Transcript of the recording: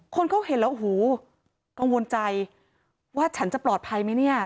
คนเขาเห็นแล้วโอ้โหกังวลใจว่าฉันจะปลอดภัยไหมเนี่ย